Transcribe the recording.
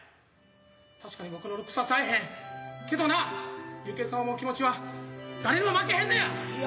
確かに僕のルックスはさえへん。けどな幸恵さんを思う気持ちは誰にも負けへんのや！